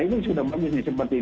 ini sudah bagus nih seperti ini